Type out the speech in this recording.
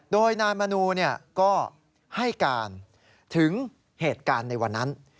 โดยนายมนูก็ให้การถึงเหตุการณ์ในวันนั้น